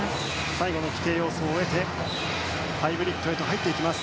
最後の規定要素を終えてハイブリッドへ入っていきます。